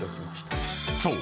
［そう。